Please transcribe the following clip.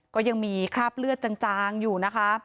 ก็ยังมีคราบเลือดจางอยู่นะคะ